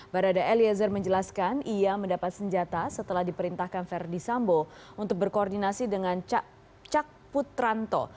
barada eliezer menjelaskan ia mendapat senjata setelah diperintahkan verdi sambo untuk berkoordinasi dengan cak cak putranto